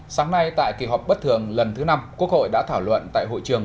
sáng nay tại kỳ họp bất thường lần thứ năm quốc hội đã thảo luận tại hội trường